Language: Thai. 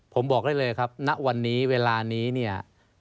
ผมบอกได้เลยครับณวันนี้เวลานี้เนี่ย